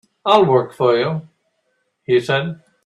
"I'll work for you," he said.